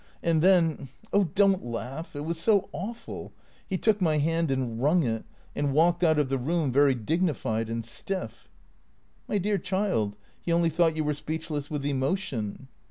And then — oh, don't laugh — it was so awful — he took my hand and wrung it, and walked out of the room, very dignified and stiff." " My dear child, he only thought you were speechless with emotion."